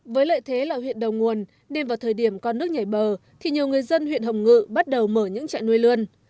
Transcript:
với lợi thế là huyện đầu nguồn nên vào thời điểm con nước nhảy bờ thì nhiều người dân huyện hồng ngự bắt đầu mở những trại nuôi lươn